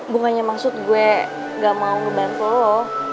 bukannya maksud gue gak mau ngebantel lo